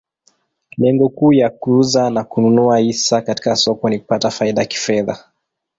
Lengo kuu ya kuuza na kununua hisa katika soko ni kupata faida kifedha.